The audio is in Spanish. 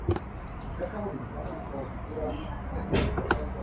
Su columna "You'll All Be Sorry!